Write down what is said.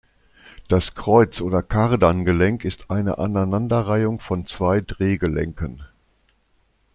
Das Kreuz- oder Kardan-Gelenk ist eine Aneinanderreihung von zwei Dreh-Gelenken.